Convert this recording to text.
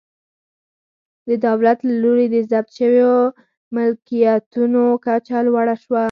د دولت له لوري د ضبط شویو ملکیتونو کچه لوړه شوه